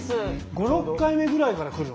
５６回目ぐらいからくるのね！